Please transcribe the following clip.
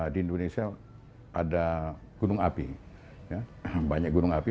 di indonesia ada gunung api banyak gunung api